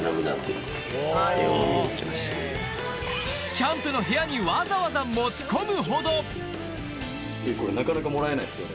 キャンプの部屋にわざわざ持ち込むほどシール？